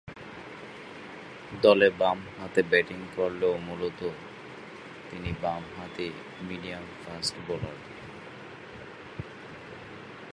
দলে বামহাতে ব্যাটিং করলেও মূলতঃ তিনি বামহাতি মিডিয়াম ফাস্ট বোলার।